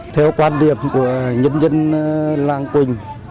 theo quan điểm của nhân dân lan quỳnh